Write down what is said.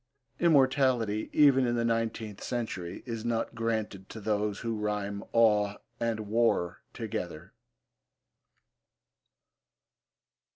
Immortality, even in the nineteenth century, is not granted to those who rhyme 'awe' and 'war' together.